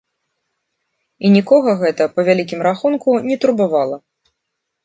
І нікога гэта, па вялікім рахунку, не турбавала.